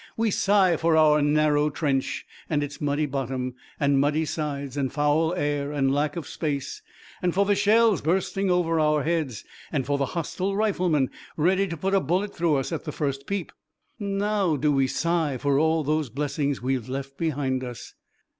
"We sigh for our narrow trench, and its muddy bottom and muddy sides and foul air and lack of space, and for the shells bursting over our heads, and for the hostile riflemen ready to put a bullet through us at the first peep! Now, do we sigh for all those blessings we've left behind us?"